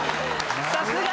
さすが。